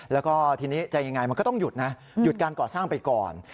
แล้วก็ทีนี้จะยังไงมันก็ต้องหยุดนะหยุดการก่อสร้างไปก่อน